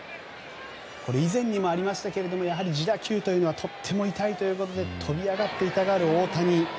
これ、以前にもありましたが自打球というのはとても痛いということで飛び上がって痛がる大谷。